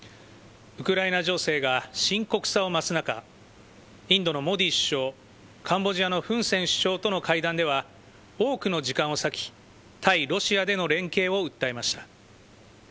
ウクライナ情勢が深刻さを増す中、インドのモディ首相、カンボジアのフン・セン首相との会談では、多くの時間を割き、対ロシアでの連携を訴えました。